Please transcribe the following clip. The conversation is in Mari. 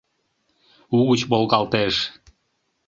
Угыч волгалтеш.